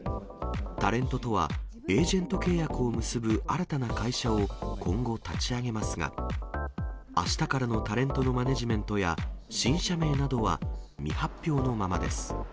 タレントとはエージェント契約を結ぶ新たな会社を今後、立ち上げますが、あしたからのタレントのマネジメントや、新社名などは未発表のままです。